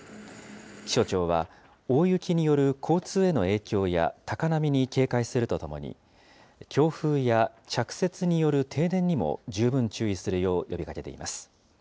気象庁は、大雪による交通への影響や高波に警戒するとともに、強風や着雪による停電にも十分注意するよう呼びかけています。